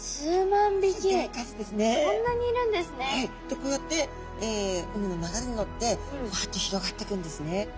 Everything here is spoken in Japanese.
でこうやって海の流れにのってぶわっと広がってくんですね。